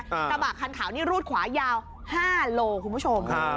กระบะคันขาวนี่รูดขวายาว๕โลคุณผู้ชม